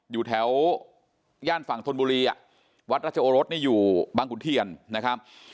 อยู่แถวย่านฝั่งธนบุรีวัดรัชโอรสนี่อยู่บางขุนเทียนนะครับ